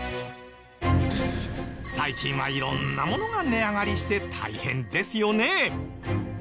最近は色んなものが値上がりして大変ですよね。